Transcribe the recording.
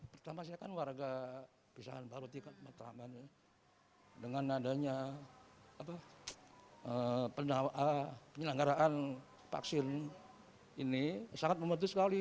pertama saya kan warga pisangan baru dengan adanya penyelenggaraan vaksin ini sangat memutus sekali